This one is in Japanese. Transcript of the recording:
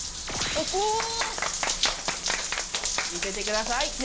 見せてください！